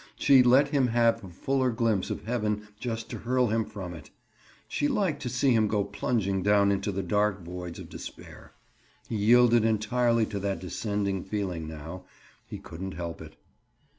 She let him have a fuller glimpse of heaven just to hurl him from it. She liked to see him go plunging down into the dark voids of despair. He yielded entirely to that descending feeling now; he couldn't help it.